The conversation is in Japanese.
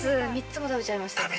３つも食べちゃいましたね。